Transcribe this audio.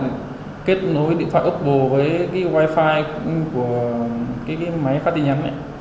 sau đó thay đổi điện thoại oppo với wifi của máy phát đi nhắn